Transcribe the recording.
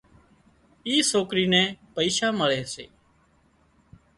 اِي سوڪرِي نين پئيشا مۯي سي